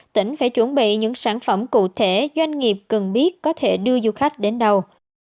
tỉnh phải chuẩn bị những sản phẩm cụ thể doanh nghiệp cần biết có thể đưa du khách đến đâu